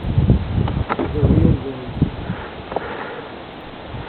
The Real World.